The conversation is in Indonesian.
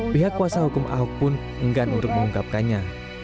pihak kuasa hukum ahok pun enggan untuk mengungkapkannya